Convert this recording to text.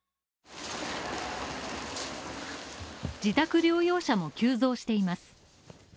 自宅療養者も急増しています。